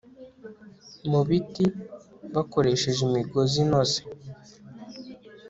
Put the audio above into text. mu biti bakoresheje imigozi inoze